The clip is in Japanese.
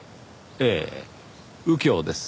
ええ右京です。